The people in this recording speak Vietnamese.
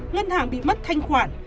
ngân hàng bị mất thanh khoản